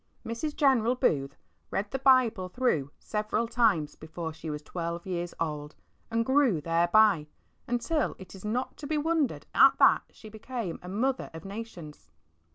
Mrs. General Booth read the HOW TO KEEP A CLEAN HEART. 35 Bible through several times before she was twelve years old, and grew thereby, until it is not to be wondered at that she became a ''mother of nations.